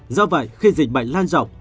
do vậy khi dịch bệnh lan rộng